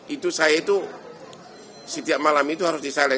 itu saya itu setiap malam itu harus disalem